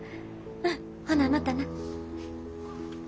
うんほなまたな。